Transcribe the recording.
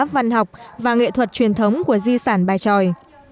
văn học và nghệ thuật truyền thống của di sản bài tròi